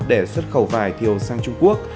để xuất khẩu vải thiều sang trung quốc